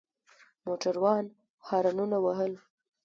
موټروان هارنونه وهل.